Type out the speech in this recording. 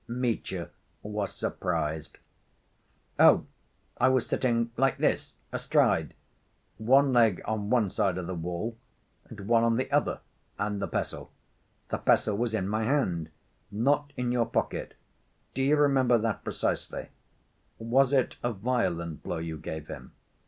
Mitya was surprised. "Oh, I was sitting like this, astride, one leg on one side of the wall and one on the other." "And the pestle?" "The pestle was in my hand." "Not in your pocket? Do you remember that precisely? Was it a violent blow you gave him?"